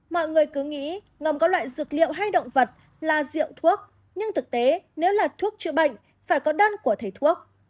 mọi người cứ nghĩ ngầm có loại dược liệu hay động vật là rượu thuốc nhưng thực tế nếu là thuốc chữa bệnh phải có đơn của thầy thuốc